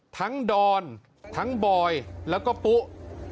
ทั้งดอนทั้งบอยแล้วก็ปุ๊นะ